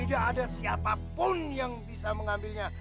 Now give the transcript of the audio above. tidak ada siapapun yang bisa mengambilnya